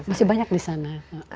masih banyak disana